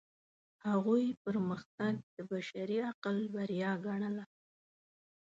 هغوی پرمختګ د بشري عقل بریا ګڼله.